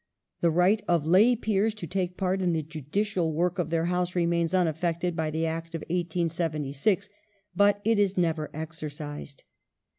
^ The right of lay Peers to take part in the judicial work of their House remains unaffected by the Act of 1876, but it is never exercised.